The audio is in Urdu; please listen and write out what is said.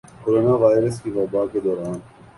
کورونا وائرس کی وبا کے دوران